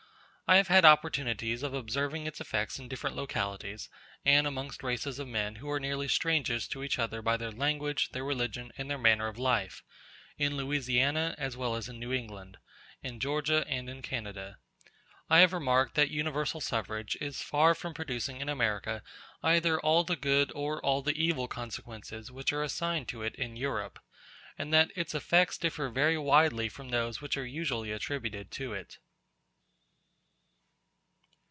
I have had opportunities of observing its effects in different localities, and amongst races of men who are nearly strangers to each other by their language, their religion, and their manner of life; in Louisiana as well as in New England, in Georgia and in Canada. I have remarked that Universal Suffrage is far from producing in America either all the good or all the evil consequences which are assigned to it in Europe, and that its effects differ very widely from those which are usually attributed to it.